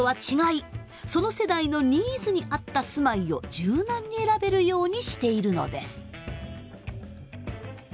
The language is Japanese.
その世代のニーズに合った住まいを柔軟に選べるようにしているのです。